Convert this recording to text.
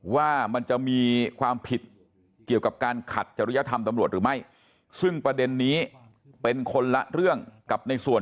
ว่ามันจะมีความผิดเกี่ยวกับการขัดจริยธรรมตำรวจหรือไม่